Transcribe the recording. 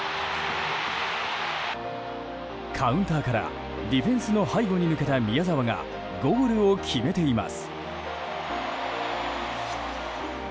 カウンターから、ディフェンスの背後に抜けた宮澤がゴールを決めています。